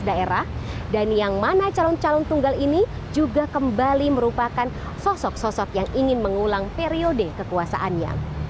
kepala daerah dan yang mana calon calon tunggal ini juga kembali merupakan sosok sosok yang ingin mengulang periode kekuasaannya